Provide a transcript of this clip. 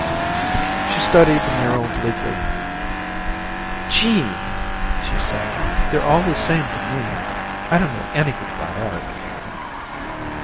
She studied the mural bleakly. "Gee," she said, "they're all the same to me. I don't know anything about art."